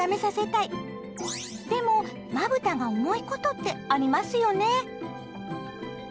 でもまぶたが重いことってありますよね。